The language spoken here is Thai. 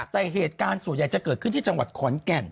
แต่เหตุการณ์ส่วนใหญ่จะเกิดขึ้นที่จังหวัดขอนแก่น